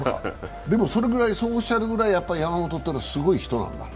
でも、そうおっしゃるぐらい山本というのはすごい人なんだ？